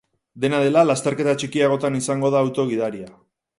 Dena dela, lasterketa txikiagotan izango da auto gidaria.